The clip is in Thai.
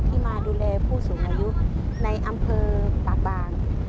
มาดูแลผู้สูงอายุในอำเภอปากบาง